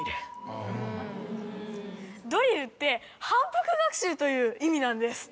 ドリルって反復学習という意味なんです。